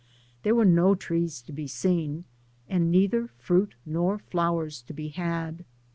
Th»e were no trees to be seen, and neither fruit nor flowers to be had.